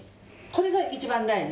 これが一番大事。